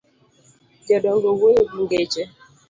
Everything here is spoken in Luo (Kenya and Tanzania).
Jodongo wuoyo gi ngeche.